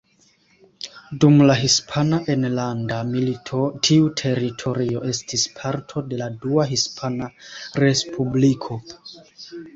Dum la Hispana Enlanda Milito tiu teritorio estis parto de la Dua Hispana Respubliko.